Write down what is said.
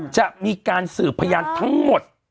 จะมีการสืบพยานทั้งหมด